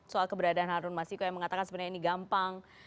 soal keberadaan harun masiku yang mengatakan sebenarnya ini gampang